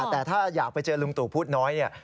แต่ถ้าอยากไปเจอลุงตู่พูดน้อยเนี่ย